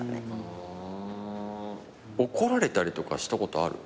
怒られたりとかしたことある？